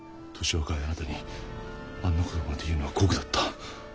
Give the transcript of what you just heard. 若いあなたにあんな事まで言うのは酷だった。